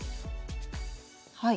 はい。